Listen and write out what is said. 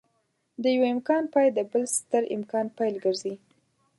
د يوه امکان پای د بل ستر امکان پيل ګرځي.